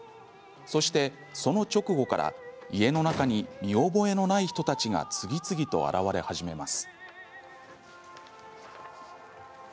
そして、その直後から家の中に見覚えのない人たちが次々と現れ始めます。